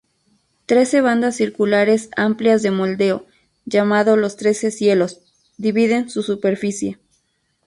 Trece bandas circulares amplias de moldeo, llamado los "Trece Cielos," dividen su superficie.